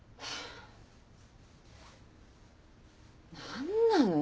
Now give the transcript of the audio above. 何なの？